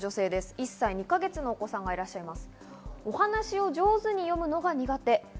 １歳２か月のお子さんがいらっしゃいます。